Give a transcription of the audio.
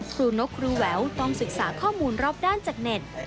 นกครูแหววต้องศึกษาข้อมูลรอบด้านจากเน็ต